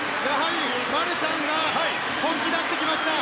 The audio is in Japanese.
マルシャンが本気を出してきました。